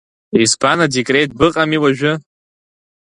Избан, адекрет быҟами уажәы?